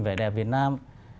vẻ đẹp việt nam